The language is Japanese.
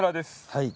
はい。